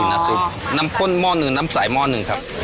ซึ่งไวการทำนำซุปทั้งสองอย่างนี้นะครับ